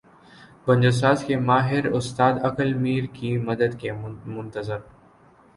بنجو ساز کے ماہر استاد عقل میر کی مدد کے منتظر